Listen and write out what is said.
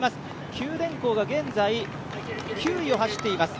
九電工が現在９位を走っています。